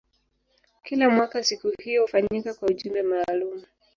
Kila mwaka siku hiyo hufanyika kwa ujumbe maalumu.